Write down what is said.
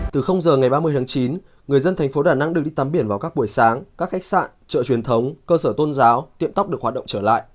từ giờ ngày ba mươi tháng chín người dân thành phố đà nẵng được đi tắm biển vào các buổi sáng các khách sạn chợ truyền thống cơ sở tôn giáo tiệm tóc được hoạt động trở lại